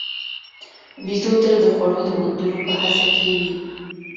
بیزو تل د خوړو د موندلو په هڅه کې وي.